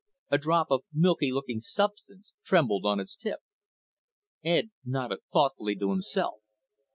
A drop of milky looking substance trembled on its tip. Ed nodded thoughtfully to himself.